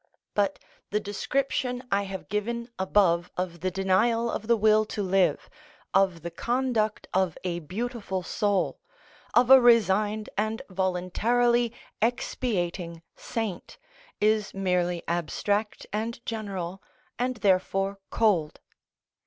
But the description I have given above of the denial of the will to live, of the conduct of a beautiful soul, of a resigned and voluntarily expiating saint, is merely abstract and general, and therefore cold.